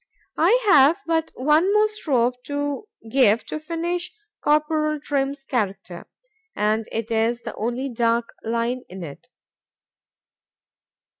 I have but one more stroke to give to finish Corporal Trim's character,——and it is the only dark line in it.